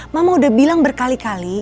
mama udah bilang berkali kali